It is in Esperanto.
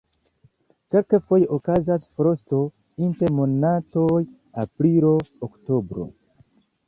Kelkfoje okazas frosto inter monatoj aprilo-oktobro.